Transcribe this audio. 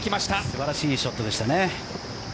素晴らしいショットでしたね。